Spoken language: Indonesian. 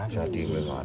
jadi lima miliar